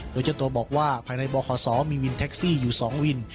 โดยเจ้าตัวบอกว่าภายในบขมีวินแท็กซี่อยู่๒วิน